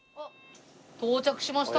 到着しました！